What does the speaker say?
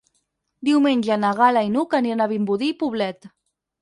Diumenge na Gal·la i n'Hug aniran a Vimbodí i Poblet.